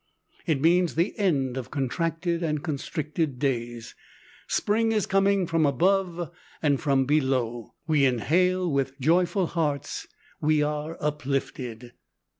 It means the end of contracted and constricted days. Spring is coming from above and from below. We inhale with joyful hearts; we are uplifted.